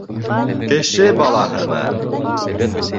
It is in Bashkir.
— Кеше балаһымы?